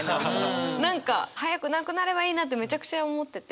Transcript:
何か早くなくなればいいなってめちゃくちゃ思ってて。